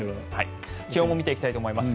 気温も見ていきます。